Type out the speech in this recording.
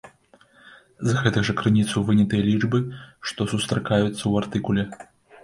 З гэтых жа крыніцаў вынятыя лічбы, што сустракаюцца ў артыкуле.